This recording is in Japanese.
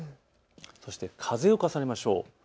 そして風を重ねましょう。